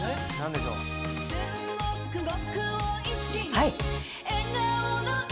はい！